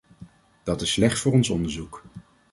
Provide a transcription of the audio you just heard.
Dat is slecht voor ons onderzoek.